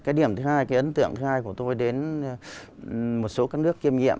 cái điểm thứ hai cái ấn tượng thứ hai của tôi đến một số các nước kiêm nhiệm